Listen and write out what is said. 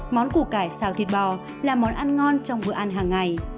món củ cải xào thịt bò là món ăn ngon trong bữa ăn hàng ngày